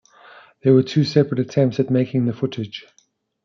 There were two separate attempts at making the footage.